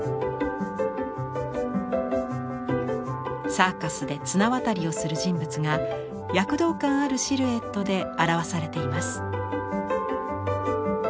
サーカスで綱渡りをする人物が躍動感あるシルエットで表されています。